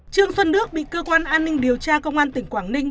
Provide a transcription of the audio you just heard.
trương xuân đức bị cơ quan an ninh điều tra công an tỉnh quảng ninh